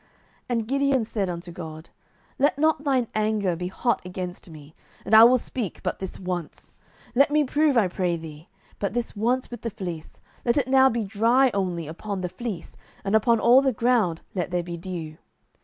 07:006:039 And Gideon said unto God, Let not thine anger be hot against me, and I will speak but this once: let me prove, I pray thee, but this once with the fleece; let it now be dry only upon the fleece, and upon all the ground let there be dew.